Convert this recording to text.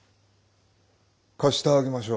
貸してあげましょう。